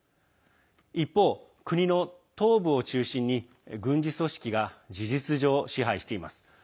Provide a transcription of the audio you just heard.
一方、国の東部を中心に軍事組織が事実上、支配しています。